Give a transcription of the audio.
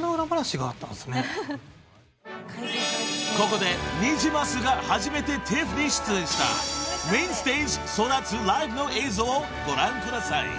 ［ここでニジマスが初めてＴＩＦに出演したメインステージ争奪ＬＩＶＥの映像をご覧ください］